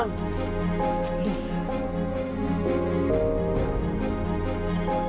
jangan ndre nunggu nunggu nunggu